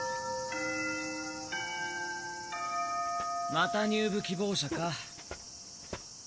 また入部希望者か。